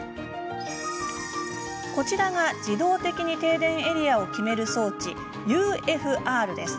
こちらが、自動的に停電エリアを決める装置ＵＦＲです。